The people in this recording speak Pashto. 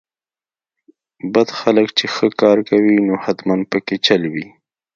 بد خلک چې ښه کار کوي نو حتماً پکې چل وي.